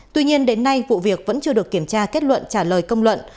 tuy nhiên đến nay vụ việc vẫn chưa được kiểm tra kết luận trả lời công luận